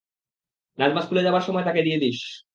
নাজমা স্কুলে যাবার সময় তাকে দিয়ে দিস।